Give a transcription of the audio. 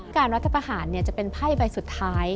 การรัฐภาษณ์จะเป็นไพ่ใบสุดท้าย